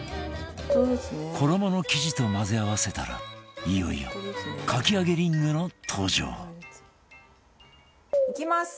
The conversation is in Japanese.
衣の生地と混ぜ合わせたらいよいよかき揚げリングの登場いきます。